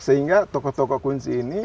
sehingga tokoh tokoh kunci itu masuk